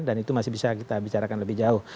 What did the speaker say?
dan itu masih bisa kita bicarakan lebih jauh